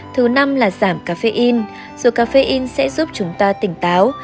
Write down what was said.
thứ năm là giảm caffeine dù caffeine sẽ giúp chúng ta tỉnh táo